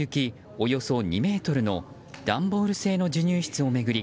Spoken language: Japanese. およそ２ｍの段ボール製の授乳室を巡り